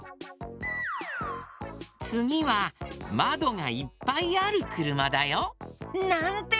つぎはまどがいっぱいあるくるまだよ。なんて